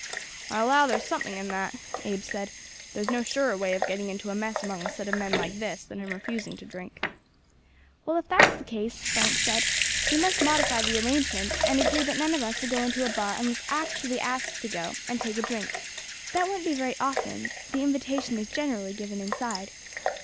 "I allow there's something in that," Abe said; "there's no surer way of getting into a mess among a set of men like this than in refusing to drink." "Well, if that's the case," Frank said, "we must modify the arrangement, and agree that none of us will go into a bar unless actually asked to go and take a drink that wouldn't be very often, the invitation is generally given inside.